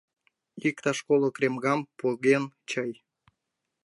Иктаж коло кремгам поген чай.